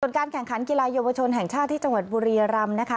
การแข่งขันกีฬาเยาวชนแห่งชาติที่จังหวัดบุรียรำนะคะ